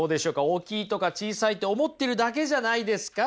大きいとか小さいって思ってるだけじゃないですか？